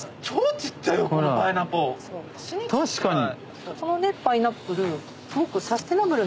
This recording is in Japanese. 確かに。